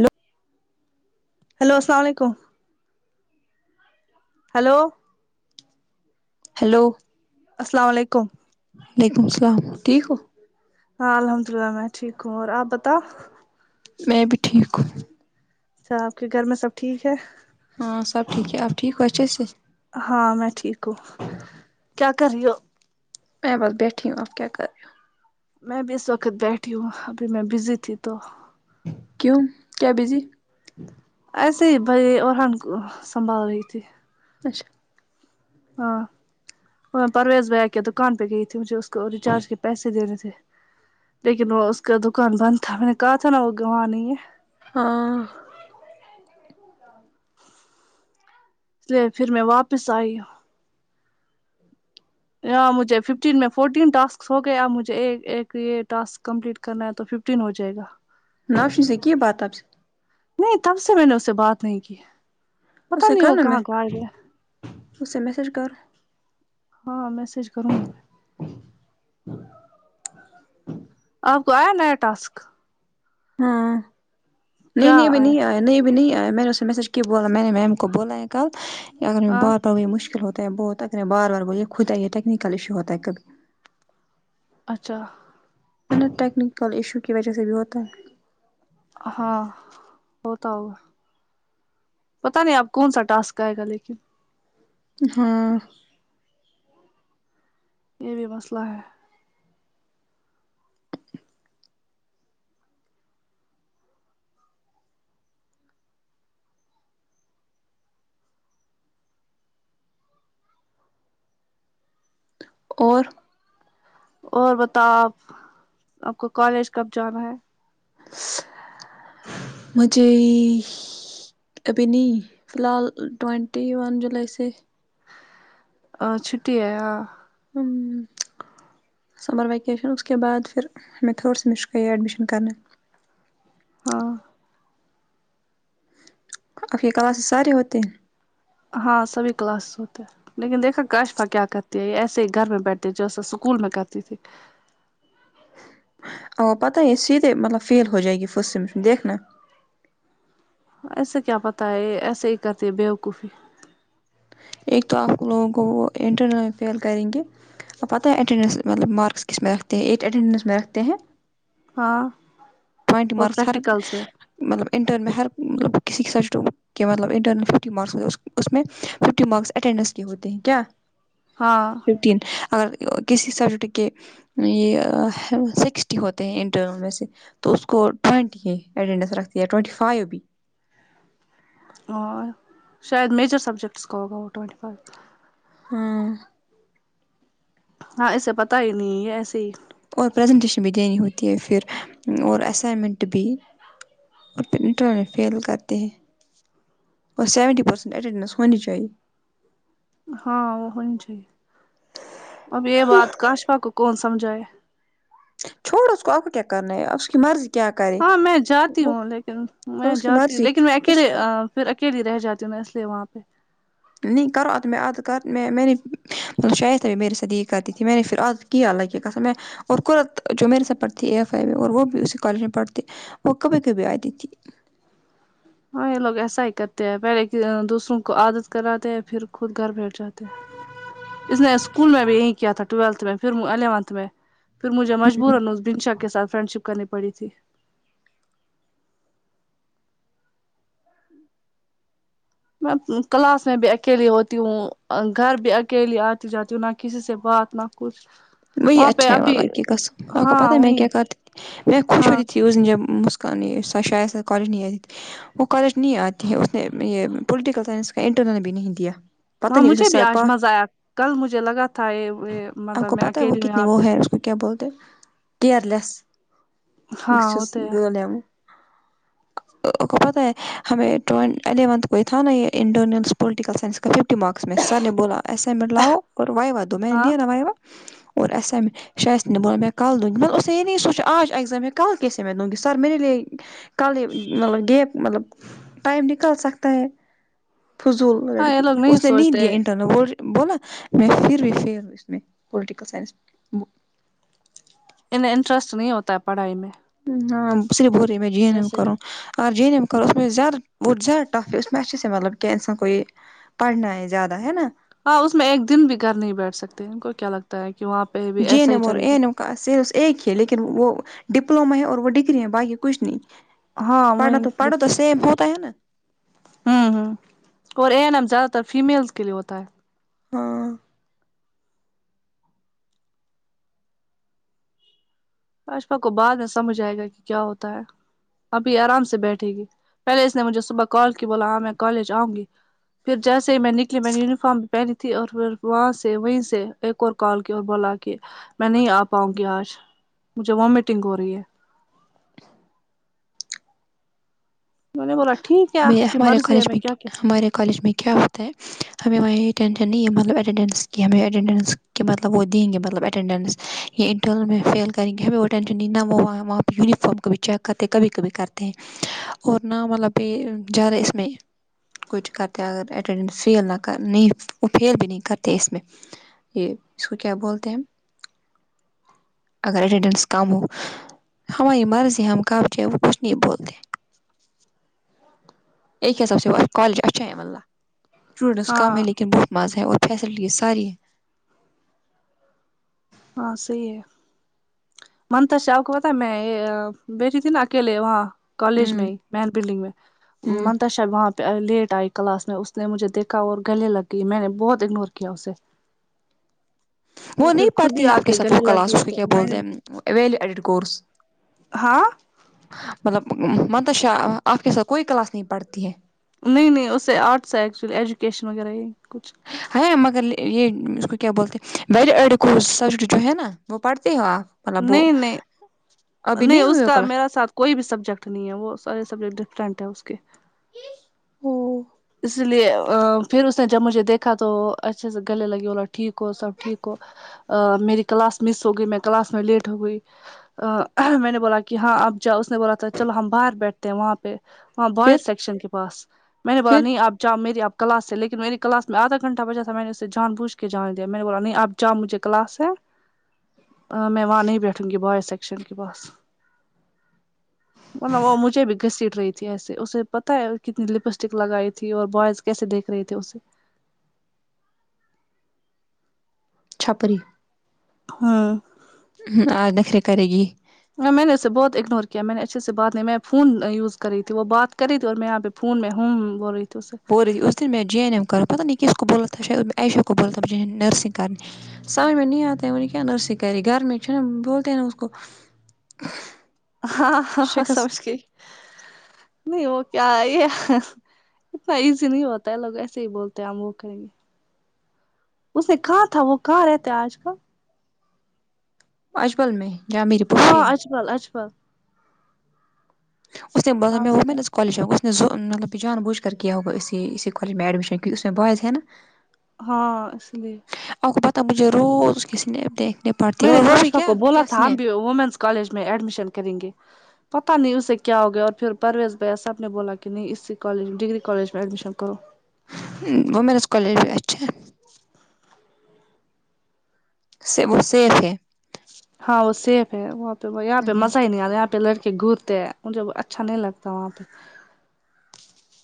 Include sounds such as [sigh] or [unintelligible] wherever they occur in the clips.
لو hello السلام علیکم hello hello السلام علیکم وعلیکم السلام ٹھیک ہو ہاں الحمد للہ میں ٹھیک ہوں اور آپ بتاؤ میں بھی ٹھیک ہوں اچھا آپ کے گھر میں سب ٹھیک ہے ہاں سب ٹھیک ہے آپ ٹھیک ہو اچھے سے ہاں میں ٹھیک ہوں کیا کر رہی ہو میں بس بیٹھیےہو اور کیا کررہی ہی میں بھی اس وقت بیٹھی ہوں ابھی میں بزی تھی تو کیوں کیا بزی ایسے ہی بھائی ارہان کو سنبھال رہی تھی اچھا ہاں پرویز بھائی کی دکان پہ گئی تھی مجھے اس کو ریچارج کے پیسے دینے تھے لیکن وہ اس کا دکان بند تھا میں نے کہا تھا نا وہ گواں نہیں ہے ہاں اس لیے پھر میں واپس آئی ہوں یہاں مجھے ففٹین میں فورٹین ٹاسک ہو گیا اب مجھے ایک یہ ٹسک کمپلیٹ کرنا ہے تو فف ٹین ہو جائے گا روشنی سے کی بات آپ سے نہیں تب سے میں نے اس سے بات نہیں کی پتا اسے نہیں وہ کرنا میں کہاں غائب ہے اسے میسج کر ہاں میسج کروں گی میں آپ کو آیا نیا ٹاسک ہاں نہیں نہیں ابھی نہیں آیا نہیں ابھی نہیں آیا میں نے اسے میسج کی بولا میں نے میم کو بولا کل اگر ہاں بعد میں مشکل ہوتا ہے بہت بار بار بول یہ خودۂ یہ ٹیکنیکل ایشو ہوتا ہے کبھی اچھا ٹیکنیکل ایشو کی وجہ سے بھی ہوتا ہے ہاں ہوتا ہوگا پتہ نہیں آپ کون سا ٹاسک آئے گا لیکن ہاں یہ بھی مسئلہ ہے اور اور بتاؤ آپ آپ کو کالج کب جانا ہے مجھے ہی ابھی نہی فی الحال ٹوینٹی ون جولائی سے چھٹی ہےیا سمر ویکیشن اس کے بعد پھر میں تھرڈ سیمیسٹر کا یہ ایڈمیشن کرنا ہاں آپ یہ کلاس سارے ہوتے ہیں ہاں سبھی کلاس ہوتے ہیں لیکن دیکھا کاشفا کیا کرتی ہے یہ ایسے ہی گھر میں بیٹھے جو ایسا اسکول میں کرتی تھی او پتہ ہے سیدھے مطلب فیل ہو جائے گی فرسٹ سمیشن دیکھنا ایسے کیا پتا ہے ایسے ہی کرتے ہے بوقوفی ایک تو آپ لوگوں کو وہ انٹرنیٹ میں پیل کریں گے آ پتا ہیں ایٹینڈس مطلب مارکس میں رکھتے ہیں ایٹ ایٹینڈینس میں رکھتے ہیں ہاں پوائنٹ اور مارکس ہر پریکٹیکلس میں مطلب انٹر میں ہر مطلب کسی سبجیکٹ کہ مطلب انٹرنل ففٹی مارکس اس میں ففٹی مارکس اٹینڈنس کے ہوتے ہیں کیا ہاں ر اگر کسی سبجیکٹ کے یہ سکسٹی ہوتے ہیں انٹر میں سے تو اس کو ٹوئنٹی اٹینڈینس رکھتی ہے ٹوئینٹی فائیو بھی شاید میجر سبجیکٹس کا گا ٹوینٹی فائیو ہاں ہاں اسے پتا ہی نہیں ایسے ہی اور پریزنٹیشن بھی دینی ہوتی ہے پھر اور اسائنمنٹ بھی اور پنیٹ میں فیل کرتے ہیں اور سیونٹی پرسینٹ اٹنڈینس ہونی چاہے ہاں وہ ہونی چاہیے اب یہ بات کشفا کو کون سمجھائے چھوڈو اس کو آ کو کیا کرنا آ اس کی مرضی کیا کرے ہاں میں جاتی وہ ہوں لیکن میں اس کی جاتی ہوں مرضی لیکن میں اس اکیلے پھر اکیلی رہ جاتی ہوں میں اس لیے وہاں پہ نہیں کرو آ میں اد کر میں نے شاید تھا میرے ساتھ یہ کرتی تھی میں نے پھر ا کیا اللہ کی قسم ہے اور قرت جو میرے سے پڑھتی ہے اے ایف آئی میں اور وہ بھی اسی کالج میں پڑھتی وہ کبھی کبھی آتی تھی ہاں یہ لوگ ایسا ہی کرتے ہیں پہلے دوسروں کو عادت کراتے ہیں پھر خود گھر بیٹھ اہ اس نے اسکول میں بھی یہی کیا تھا ٹویلتھ میں پھر الیونتھ میں پھر مجھے مجبورا اس بنشا کے ساتھ فرینڈ شپ کرنی پڑے گی میں کلاس میں بھی اکیلی ہوتی ہوں گھر بھی اکیلی آتی جاتی ہوں نہ کسی سے بات نہ کچھ وہ وہاں پہ اچھا ہے ابھی والا کی قسم آپ کو ہاں پتہ میں وہیں کیا کر میں خوشی ہاں ہوتی تھی سو شائےید س کالجنی ہے [unintelligible] وہ کالج نہیں آتے ہیں اس نے یہ پولیٹیکل سائنس کا انٹرنل بھی نہیں دیا پتہ ہاں نہیں اسے مجھے بھی سر آج پا مزہ آیا کل مجھے لگا تھا یہ یہ آپ مطلب کو میں پتہ ہے وہ اکیلی ہوں کتنی یہاں پہ وہ ہے اس کو کیا بولتے ہیں کیئر لیس ہاں ہوتے ہے [unintelligible] کو پتہ ہے ہمیںٹ الیونتھ کو تھا نا یہ and political science fifty marks میں سر نے بولا ایسائنمنٹ لاو اور وای وا دو میں نے ہاں دیا نا وائی وا اور ایسے میں شاید اس نے بولا میں کل دونگی مگر اسنے یہ نہیں سونچا آج ایگزام ہے میں کل کیسے میں دنگی سر میرے لیے کل یہ ملب گیپ ملب ٹائم نکال سکتا ہے فضول ہاں یہ لڑکی لوگ اس نے نہیں سوچتے دیا انٹرویو بولا میں پھر بھی فیل ہوں اس میں پولٹیکل سائنس میں انے انٹرسٹ نہیں ہوتا ہے پڑھائی میں ہاں صرف ہول رہی ہے میں یے نا ایسے کروں کرتے اور ج این ایم کر اس میں زدت زد ٹف ہے اس میںچے سے ملب انسان کو یہ پڑھنا ہے زیادہ ہے نا ہاں اس میں ایک دن بھی گھر نہیں بیٹھ سکتے ان کو کیا لگتا ہے کہ وہاں پہ بھی جی ایسا ہی نمور چلے گا اےنو سی ایک ہے لیکن وہ ڈپلوما ہے اور وہ ڈگری ہے باقی کچھ نہیں ہاں پڑھنا وہی تو پڑو تو سم ہوتا ہے نا ہوں ہوں اور این اے ایم زیادہ تر فیمیلس کے لیے ہوتا ہے ہاں باجپا کو بعد میں سمجھ آئے گا کہ کیا ہوتا ہے ابھی آرام سے بیٹھے گی پہلے اس نے مجھے صبح کال کی بولا ہاں میں کالج آؤں گی پھر جیسے ہی میں نکلی میں نے یونیفارم پہنی تھی اور پھر وہاں سے وہیں سے ایک اور کال کیا اور بولا کہ میں نہیں آ پاؤں گی آج مجھے وامٹنگ ہو رہی ہے مینے بولا ٹھیک ہے میں آپ کی ہمارے مرضی کالج ہے میں کیا کہہ سکتی ہمارے کالج میں کیا ہمیں وہاں یہ ٹینشن نہیں ہے مطلب اٹینڈنس کی ہمیں اٹینڈنس کہ مطلب وہ دیں گے مطلب اٹینڈنس یہ انٹرن میں فیل کریں گے ہمیں وہ ٹینشن نہیں نا وہاں وہاں پہ یونیفارم کبھی چیک کرتے ہیں کبھی کبھی کرتے ہیں اور نہ ملب کہ جارے اس میں کچھ کرتے اگر اٹینڈینس فیل نہ کر نہیں فیل بھی نہیں کرتے اس میں یہ اس کو کیا بولتے ہیں اگر ایڈیڈنس کم ہو ہماری مرضی ہے ہم کہب جائے وہ کچھ نہیں بولتے اک کے حساب سے کالج اچھا ہےلہ اسٹوڈنٹس کم ہاں ہے لیکن بہت مز ہیں اور فیسلٹیز ساری ہاں صحی ہے منتاشا اپکو پتا ہے میں بیٹھی تھی نا اکیلے وہاں ہے کالج ہوں میں مین بلڈنگ میں ہوں ممتا وہاں پہ لیٹ آئی کلاس میں اس نے مجھے دیکا اور گلے لگی میں نے بہت اگنور کیا اسے وہ پھر نہیں خود ہی پڑھتی آ آپ کے ساتھ وہ گلے لگ کلاس گئی اس کو تو کیا میں بولتے نے ہیںوی لی ایڈٹ کورس ہاں ملب متشاہ آپ کے ساتھ کوئی کلاس نہیں پڑھتی ہے نہیں نہیں اس سے آرٹس ہے ایکچولی ایجوکیشن وغیرہ یہ کچھ ہ مگر یہ اس کو کیا بولتے سبجیکٹ جو ہے نا وہ پڑھتے ہو آپ مطلب وہ نہیں نہیں ابھی نہیں اس ہوئی ہو کا کلاس میرا سات کوئی بھی سبجیکٹ نہیں ہے وہ سارے سبجیکٹ ڈفرینٹ ہے اس کے او اسی لیے پھر اس نے جب مجھے دیکھا تو اچھے سے گلے لگی بولا ٹھیک ہو سب ٹھیک ہو میری کلاس مس ہو گئی میں کلاس میں لیٹ ہو گئی میں نے بولا کہ ہاں اب جاؤ اس نے بولا تھا چلو ہم باہر بیٹھ وہاں پہ وہاں پھر بوائز سیکشن کے پاس میں نے بولا پھر نہیں آپ جاؤ میری آپ کلاس ہے لیکن میری کلاس میں آدھا گھنٹہ بچا تھا میں نے اسے جان بوجھ کے جانے دیا میں نے بولا نہیں اب جا مجھے کلاس ہے میں وہاں نہیں بیٹھوں گی بوائز سیکشن کے بس مط وہ مجھے بھی گھسیٹ رہی تھی ایسے اسے پتا ہے کتنی لپسٹک لگائی تھی اور بوائز کیسے دیکھ رہے تھے اسے چھپری ہوں ہ آ نخرے کرے گی میں نے اس سے بہت اگنور کیا میں نے اچھے سے بات نہیں میں فون یوز کری تھی وہ بات کری تھی اور میں یہاں پہ فون میں ہوں بول رہی تھی اس سے پور اسل م میں ج این ایم کر پہ ن نہیں کس قبولت تھا عایشہ قبولت نرسنگ کرہ سمجھ میں نہیں آتے وہن کیا نرسن کری گھر میں چ نا بولتے ہیں نا اس کو ہاں ہاں ہاں شخص سموج کی نہیں وہ کیا یہ ہے اتنا ایزی نہیں ہوتا ہے لوگ ایسے ہی بولتے ہیں ہم وہ کہیں گے اسے کہاں تھا وہ کہاں رہتے آج کل اجبل میں جہاں میری ہاں پھوپھی ہے اجبل اجبل اس میں ہاں اسے میں کہا کالج ہو [unintelligible] مب کہہ جان بجھ کر کہ یہ ہ بٮ اسسی اسسیالج میں ایڈمشنون م میں بوزے ن ہاں اسی لیے آپ کو پتہ مجھے روز کے [unintelligible] س نپ د میں نے کاشفا کو بولا تھا ہم بھی وومنس کالج میں ایڈمیشن کریں گے پتا نہیں اسے کیا ہو گیا اور پھر پرویز بھائی سب نے بولا کہ نہیں اسی کالج میں ڈگری کالج میں ایڈمیشن کرو وومینس کالج بھی اچھے سے وہ سیف ہے ہاں وہ سیف ہے وہاں پہ یہاں پہ مزہ ہی نہیں آ رہا یہاں پہ لڑکے گور مجھے اچھا نہیں لگتا وہاں پہ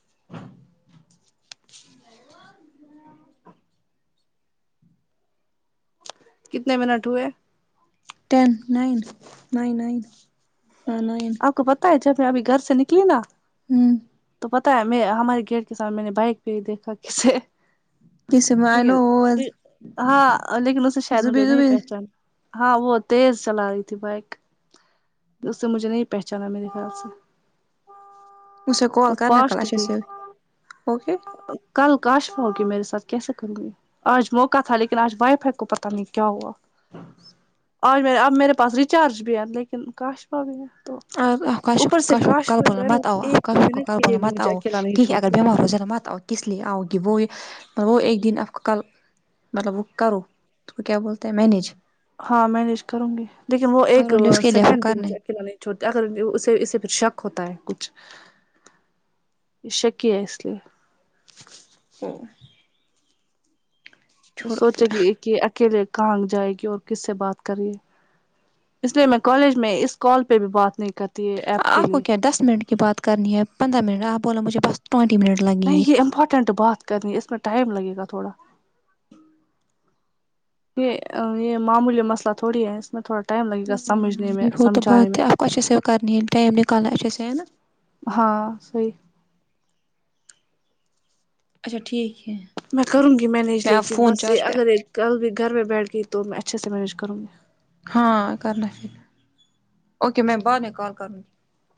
ناقابل فہم کتنے منٹ ہوئے ٹین نائن نائن نائناں نائن آپ کو پتاہ ہے جب میں ابھی گھر سے نکلی نا ہوں تو پتا ہے میں ہمارے گیٹ کے ساتھ میں نے بائک پہ ہی دیکھا کسے جسے میں لیکن نو ہاں لیکن اسے شاید مجھے زبی نہیں زبی پہچانا ہاں وہ تیز چلا رہی تھی بائک اس سے مجھے نہیں پہچانا میرے خیال سے اس سے سے وہ کال کرنا کل فاسٹ اچھا تھی سے اوکے کل کاشفا ہوگی میرے ساتھ کیسے کروں گی آج موقع تھا لیکن آج وائی فائی کو پتہ نہیں کیا ہوا ناقابل سماعت آج میں اب میرے پاس ریچارج بھی ہے لیکن کاشفا بھی ہے تو کاش اوپر سے کاشر کل کاشفا جو بولنا ہے نا مت آو ایک منٹ کے اپ لیے نا بھی مجھے متاؤ اکیلا ٹ نہیں کہہ اگر چھوڑتی بیمار ہوز ہے ن نہ مت آؤ [unintelligible] کس لیے آؤ گی وہ یہ وہ ایک دن آپ کو کل مطلب وہ کرو تو وہ کیا بولتے ہیں مینیج ہاں مینج کروں گی لیکن وہ ایک اور اس کے لیے آپ کو سیکنڈ بھی کرنا مجھے اکیلا نہیں چھو اگر اسے اس سے پھر شک ہوتا ہے کچھ یہ شکی ہے اس لیے ہمم چھوڑو سوچے گی کہ اکیلے کہاں جائے گی اور کس سے بات کریے اس لیے میں کالج میں اس کال پہ بھی بات نہیں کرتی ہے ایپ کے آپ کو لیے کیا دس منٹ کی بات کرنی ہے پندرہ منٹ آپ بولو مجھے بس ٹوینٹی منٹ لگیں نہیں گے ہ یہ امپورٹینٹ بات کرنی ہے اس میں ٹائم لگے گا تھوڑا یہ یہ معمولی مسئلہ تھوڑی ہے اس میں تھوڑا ٹائم لگے ہ گا سمجھنے میں یہ گو تو سمجھانے بات میں آپ کو اچھے سے کرنی ہے ٹائم نکالنا اچھے سے ہے نا ہاں صحیح اچھا ٹھیک ہے میں کرونگی یہ مینیج میں آپ لیکن فون بس یہ چارج پہ اگر کل بھی گھر میں بیٹھ گئی تو میں اچھے سے مینیج کروں گی ہاں کرنا پھر اوکے میں بعد میں کال کروں گی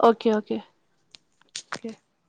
اوکے اوکے اوکے